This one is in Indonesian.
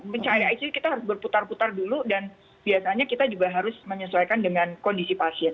mencari icu kita harus berputar putar dulu dan biasanya kita juga harus menyesuaikan dengan kondisi pasien